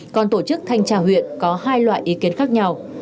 còn tổ chức thanh tra huyện có hai loại ý kiến khác nhau